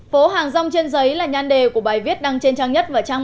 phố hàng rong trên giấy là nhan đề của bài viết đăng trên trang nhất và trang